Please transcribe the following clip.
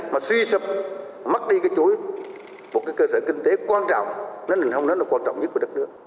mà suy sập mắc đi cái chuối một cái cơ sở kinh tế quan trọng nền hông đó là quan trọng nhất của đất nước